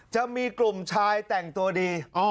จะมีกลุ่มชายแต่งตัวดี